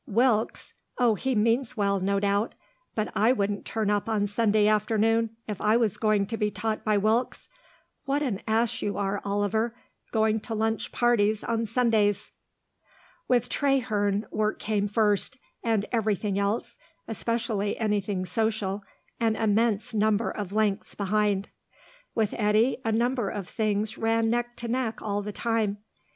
"Wilkes! Oh, he means well, no doubt. But I wouldn't turn up on Sunday afternoon if I was going to be taught by Wilkes. What an ass you are, Oliver, going to lunch parties on Sundays." With Traherne, work came first, and everything else, especially anything social, an immense number of lengths behind. With Eddy a number of things ran neck to neck all the time.